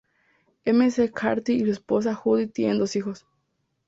McCarthy y su esposa Judy tienen dos hijos.